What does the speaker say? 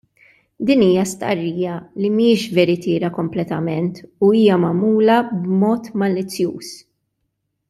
Din hija stqarrija li mhijiex veritiera kompletament u hija magħmula b'mod malizzjuż.